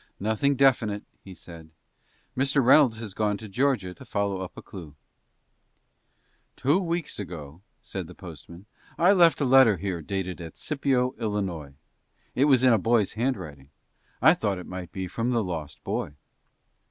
"Nothing definite," he said. "Mr. Reynolds has gone to Georgia to follow up a clew." "Two weeks since," said the postman, "I left a letter here dated at Scipio, Ill. It was in a boy's handwriting. I thought it might be from the lost boy."